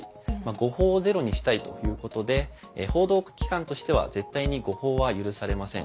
誤報をゼロにしたいということで報道機関としては絶対に誤報は許されません。